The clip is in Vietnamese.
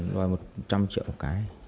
rồi một trăm triệu một cái